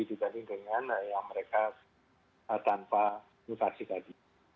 dibanding dengan yang mereka tanpa mutasi tadi